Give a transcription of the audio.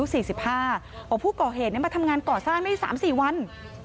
บอกผู้ก่อเหตุมาทำงานก่อสร้างได้๓๔วัน